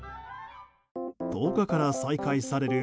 １０日から再開される